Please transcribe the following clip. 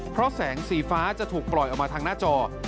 เพราะแสงสีฟ้าจะถูกปล่อยออกมาทางหน้าจอ